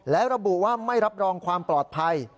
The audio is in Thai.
และระบุว่าไม่รับรองความปลอดภัย